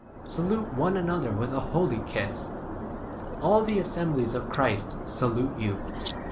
Salute one another with a holy kiss. All p the assemblies of Christ salute you.